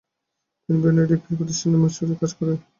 তিনি বিভিন্ন ইউরোপীয় প্রতিষ্ঠানের মুৎসুদ্দীর কাজ করেন।